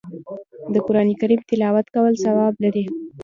د قرآن کریم تلاوت کول ثواب لري